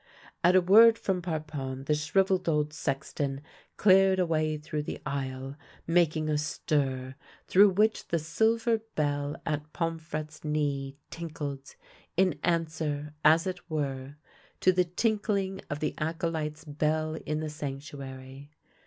At a word from Parpon the shrivelled old sexton cleared a way through the aisle, making a stir, through which the silver bell at Pomfrette's knee tinkled, in THE LITTLE BELL OF HONOUR 119 answer, as it were, to the tinkling of the acolyte's bell in the sanctuary.